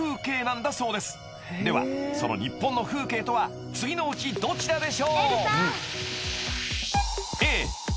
その日本の風景とは次のうちどちらでしょう］